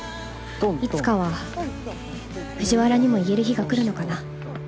いつかは藤原にも言える日が来るのかな